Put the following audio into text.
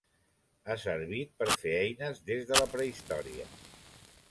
Ha servit per fer eines des de la prehistòria.